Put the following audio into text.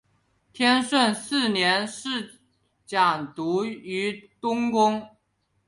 天顺四年侍讲读于东宫。